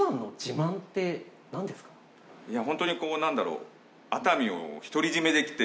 いやホントにこう何だろう。